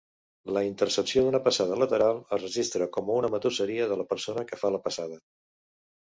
La intercepció d'una passada lateral es registra com una matusseria de la persona que fa la passada.